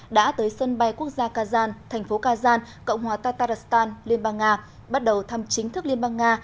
đã tới sân bay quốc gia kazan thành phố kazan cộng hòa tatarstan liên bang nga bắt đầu thăm chính thức liên bang nga